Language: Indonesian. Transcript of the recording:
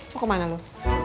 mau kemana lu